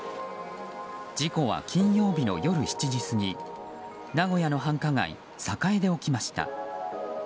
事故は金曜日の夜７時過ぎ名古屋の繁華街栄で起きました。